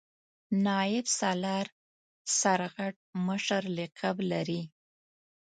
نایب سالار سرغټ مشر لقب لري.